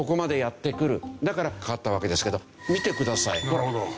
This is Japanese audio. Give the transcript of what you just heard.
なるほど。